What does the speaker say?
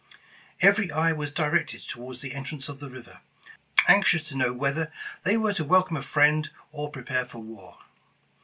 Every eye was directed toward the entrance of the river, anxious to know whether they were to welcome a friend, or prepare for war.